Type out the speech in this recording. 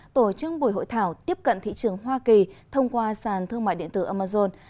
tổ chức buổi hội thảo tiếp cận thị trường hoa kỳ thông qua sàn thương mại điện tử amazon